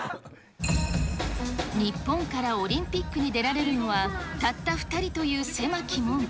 日本からオリンピックに出られるたった２人という狭き門。